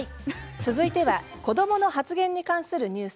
続いては子どもの発言に関するニュース。